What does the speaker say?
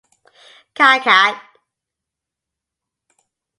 Kakkad.